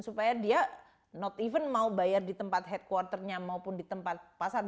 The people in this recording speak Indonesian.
supaya dia not even mau bayar di tempat headquarternya maupun di tempat pasar